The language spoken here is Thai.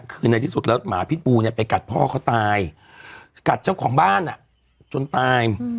คือในที่สุดแล้วหมาพิษบูเนี่ยไปกัดพ่อเขาตายกัดเจ้าของบ้านจนตาย